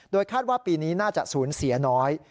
คาดว่าปีนี้น่าจะสูญเสียน้อย